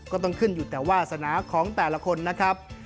ก็ต้องขึ้นอยู่แต่วาสนาของแต่ละคนนะครับ